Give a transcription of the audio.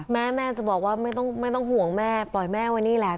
แม่แม่จะบอกว่าไม่ต้องห่วงแม่ปล่อยแม่ไว้นี่แหละ